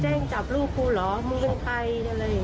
พนักงานในร้าน